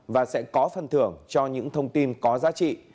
và sẽ có phần thưởng cho những thông tin có giá trị